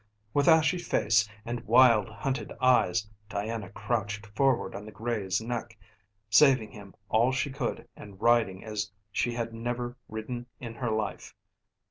With ashy face and wild, hunted eyes Diana crouched forward on the grey's neck, saving him all she could and riding as she had never ridden in her life.